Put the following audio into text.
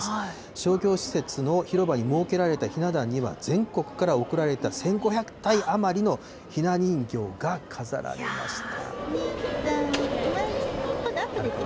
商業施設の広場に設けられたひな壇には、全国から贈られた１５００体余りのひな人形が飾られました。